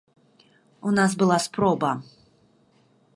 У нас была спроба.